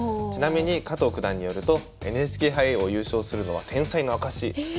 ちなみに加藤九段によるとＮＨＫ杯を優勝するのは天才の証し。